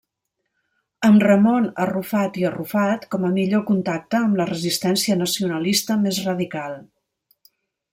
Amb Ramon Arrufat i Arrufat com a millor contacte amb la resistència nacionalista més radical.